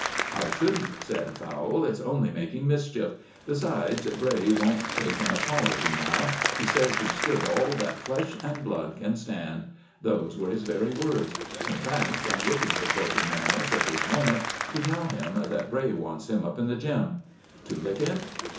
"I shouldn't," said Fowle. "It's only making mischief. Besides, Bray won't take an apology now. He says he's stood all that flesh and blood can stand. Those were his very words. In fact, I'm looking for Corkey minimus at this moment to tell him that Bray wants him up in the 'gym.'" "To lick him?"